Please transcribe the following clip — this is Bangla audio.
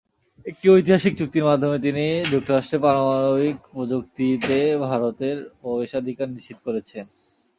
একটি ঐতিহাসিক চুক্তির মাধ্যমে তিনি যুক্তরাষ্ট্রের পারমাণবিক প্রযুক্তিতেভারতের প্রবেশাধিকার নিশ্চিত করেছেন।